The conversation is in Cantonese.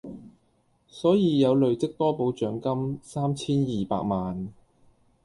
所以有累積多寶獎金三千二百萬